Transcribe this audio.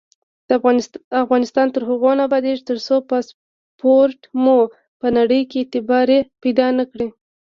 افغانستان تر هغو نه ابادیږي، ترڅو پاسپورت مو په نړۍ کې اعتبار پیدا نکړي.